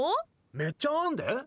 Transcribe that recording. めっちゃあんで。